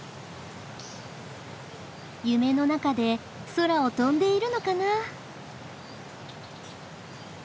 夢の中で空を飛んでいるのかな？